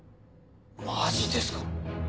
マジですか？